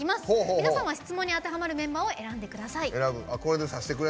皆さんは質問に当てはまるメンバーを指してください。